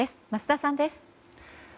桝田さんです。